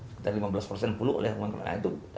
sekitar lima belas persen pelu oleh human coronavirus itu